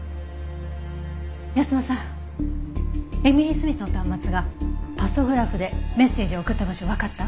泰乃さんエミリー・スミスの端末がパソグラフでメッセージを送った場所わかった？